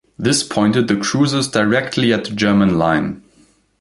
This pointed the cruisers directly at the German line.